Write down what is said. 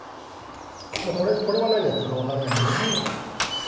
もうこれは何やってるか分からないんで。